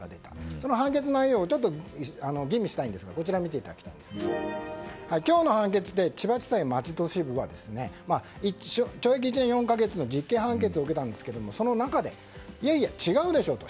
その判決内容を吟味したいんですが今日の判決で千葉地裁松戸支部は懲役１年４か月の実刑判決を受けたんですがその中でいやいや違うでしょうと。